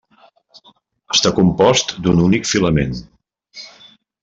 Està compost d'un únic filament.